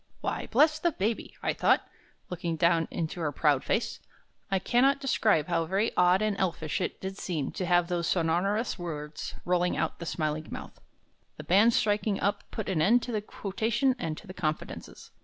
'" "Why, bless the baby!" I thought, looking down into her proud face. I cannot describe how very odd and elfish it did seem to have those sonorous words rolling out of the smiling mouth. The band striking up put an end to the quotation and to the confidences.